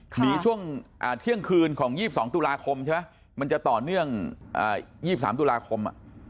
หนีช่วงเที่ยงคืนของยี่สองตุลาคมใช่ปะมันจะต่อเนื่องยี่สามตุลาคม